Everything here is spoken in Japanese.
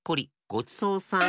ごちそうさん。